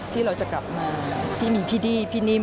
ที่เราจะกลับมาที่มีพี่ดี้พี่นิ่ม